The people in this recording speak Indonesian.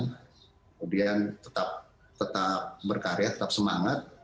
kemudian tetap berkarya tetap semangat